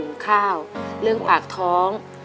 ข้าวเรื่องปากท้อง